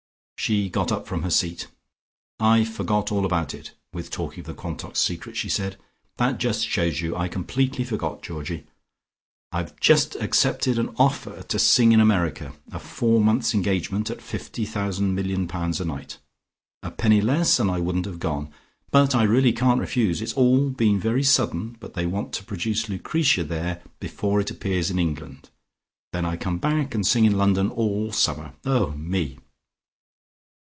She got up from her seat. "I forgot all about it, with talking of the Quantocks' secret," she said. "That just shows you: I completely forgot, Georgie. I've just accepted an offer to sing in America, a four months' engagement, at fifty thousand million pounds a night. A penny less, and I wouldn't have gone. But I really can't refuse. It's all been very sudden, but they want to produce Lucretia there before it appears in England. Then I come back, and sing in London all the summer. Oh, me!"